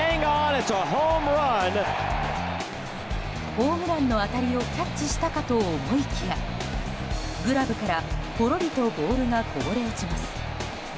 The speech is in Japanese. ホームランの当たりをキャッチしたかと思いきやグラブからポロリとボールがこぼれ落ちます。